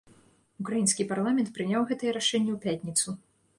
Украінскі парламент прыняў гэтае рашэнне ў пятніцу.